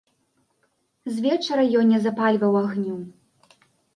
Звечара ён не запальваў агню.